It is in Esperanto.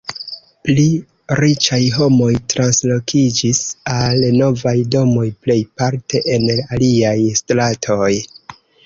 Pli riĉaj homoj translokiĝis al novaj domoj, plejparte en aliaj stratoj.